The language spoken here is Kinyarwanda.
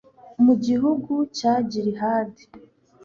mu gihugu cya gilihadi